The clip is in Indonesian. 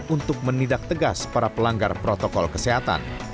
untuk menindak tegas para pelanggar protokol kesehatan